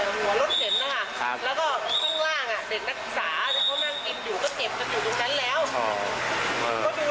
อยู่ตรงหัวรถเห็นนะคะ